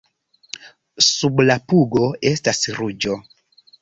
Sub la pugo estas ruĝo.